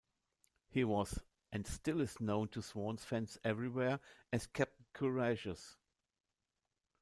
He was and still is known to Swans fans everywhere as "Captain Courageous".